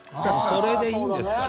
それでいいんですから。